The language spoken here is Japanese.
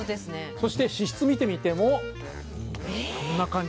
そして脂質見てみてもこんな感じ。